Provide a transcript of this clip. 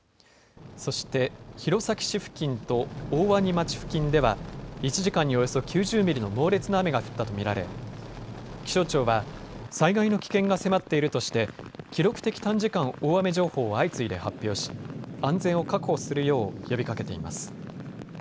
そして弘前市付近と大鰐町付近では１時間におよそ９０ミリの猛烈な雨が降ったと見られ、気象庁は災害の危険が迫っているとして記録的短時間大雨情報を相次いで発表し安全を確保するよう呼びかけています。